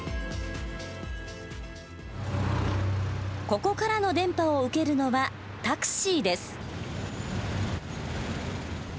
ここからの電波を受けるのはタクシーです。